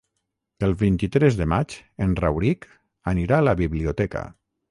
El vint-i-tres de maig en Rauric anirà a la biblioteca.